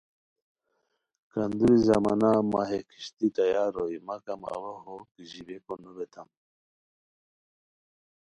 کندوری زمانا مہ ہے کھشتی تیار ہوئے مگم اوا ہو کیژیبئیکو نو بیتام